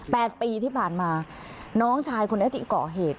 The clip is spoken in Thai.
ปีที่ผ่านมาน้องชายคนนี้ที่ก่อเหตุ